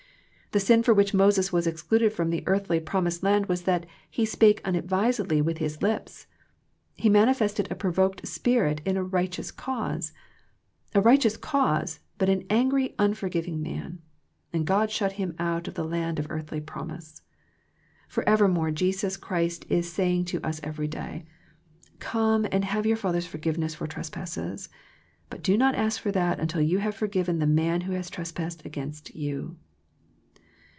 The sin for which Moses was excluded from the earthly promised land was that " He spake unadvisedly with his lips," he manifested a provoked spirit in a right eous cause. A righteous cause, but an angry, un forgiving man; and God shut him out of the land of earthly promise. For evermore Jesus Christ is saying to us every day, " Come and have your Father's forgiveness for trespasses, but do not ask for that until you have forgiven the man who has trespassed against you."